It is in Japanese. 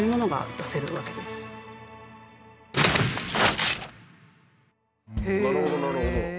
なるほどなるほど。